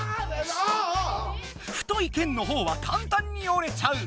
太い剣のほうはかんたんに折れちゃう。